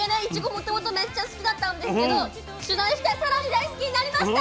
もともとめっちゃ好きだったんですけど取材して更に大好きになりました。